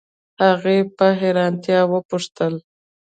هغې په حیرانتیا وپوښتل